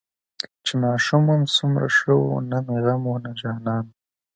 چې ماشوم وم سومره شه وو نه مې غم وو نه جانان.